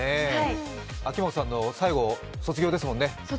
秋元さんの最後、卒業ですもんね。